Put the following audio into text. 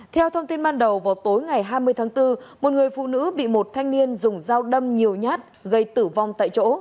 theo thông tin ban đầu vào tối ngày hai mươi tháng bốn một người phụ nữ bị một thanh niên dùng dao đâm nhiều nhát gây tử vong tại chỗ